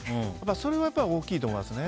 それは大きいと思いますね。